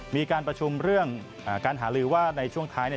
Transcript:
มีการประชุมเรื่องการหาลือว่าในช่วงท้ายเนี่ย